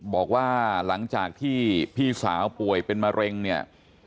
บอกว่าหลังจากที่พี่สาวป่วยเป็นมะเร็งเนี่ย